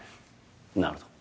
なるほど。